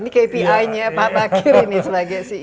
ini kpi nya pak bakir ini sebagai ceo